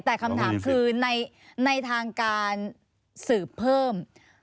แต่คำถามคือในทางการสืบเพิ่ม